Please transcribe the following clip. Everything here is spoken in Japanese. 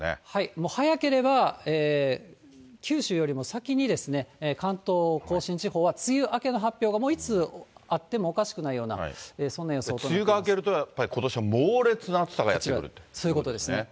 もう早ければ九州よりも先に関東甲信地方は、梅雨明けの発表が、もういつあってもおかしくないような、そんな予想となってい梅雨が明けると、やっぱりこそういうことですね。